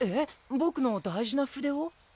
ボクの大事な筆を？